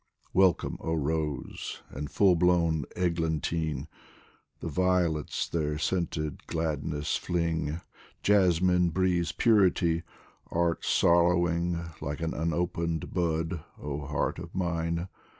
Welcome, oh rose, and full blown eglantine ! The violets their scented gladness fling, Jasmin breathes purity art sorrowing Like an unopened bud, oh heart of mine